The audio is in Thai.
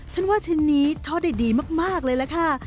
ฉันว่าชิ้นนี้ทอดได้ดีมากเลยล่ะค่ะ